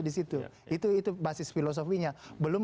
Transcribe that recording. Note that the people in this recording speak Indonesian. disitu itu itu basis filosofinya belum